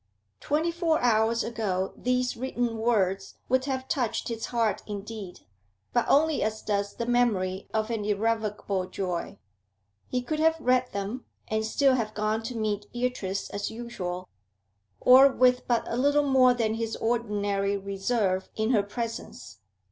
Twenty four hours ago these written words would have touched his heart indeed, but only as does the memory of an irrecoverable joy; he could have read them, and still have gone to meet Beatrice as usual, or with but a little more than his ordinary reserve in her presence.